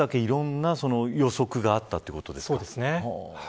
この数だけ、いろんな予測があったということですか。